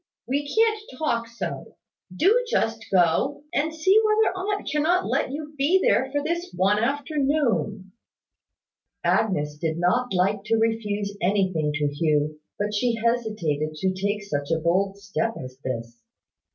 We can't talk so. Do just go, and see whether aunt cannot let you be there for this one afternoon." Agnes did not like to refuse anything to Hugh: but she hesitated to take such a bold step as this.